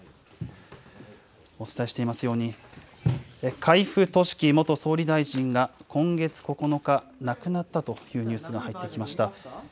お伝えしていますように海部俊樹元総理大臣が今月９日、亡くなったというニュースが入ってきました。